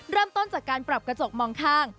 เริ่มต้นจากการปรับกระจกมองข้าง